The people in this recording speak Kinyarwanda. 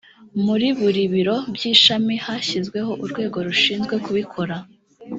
muri buri biro by’ishami hashyizweho urwego rushinzwe kubikora